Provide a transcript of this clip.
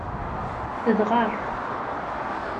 Tedɣer.